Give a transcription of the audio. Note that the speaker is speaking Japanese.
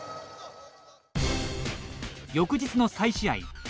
翌日の再試合。